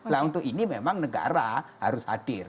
nah untuk ini memang negara harus hadir